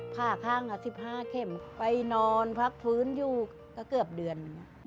ผ่าข้าง๑๕เข็มไปนอนพักฟื้นอยู่ก็เกือบเดือน